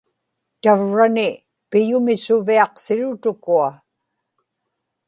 tavrani piyumisuviaqsirut ukua